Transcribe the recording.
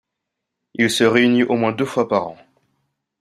Il se réunit au moins deux fois par an.